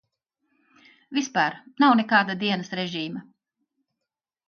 Vispār nav nekāda dienas režīma.